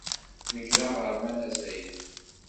Nekk d aɣerman azzayri.